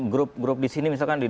grup grup di sini misalkan